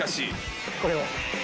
これを。